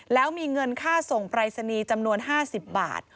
แล้วมีเงินค่าส่งปรายศนีย์จำนวน๕๐บาท